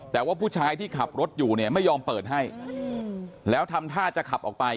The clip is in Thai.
แต่ว่าผู้ชายที่ขับรถอยู่เนี่ยไม่ยอมเปิดให้แล้วทำท่าจะขับออกไป